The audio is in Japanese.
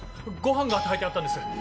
ご飯が炊いてあったんです